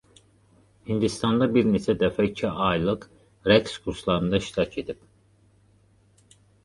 Hindistanda bir neçə dəfə iki aylıq rəqs kurslarında iştirak edib.